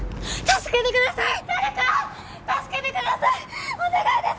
助けてください！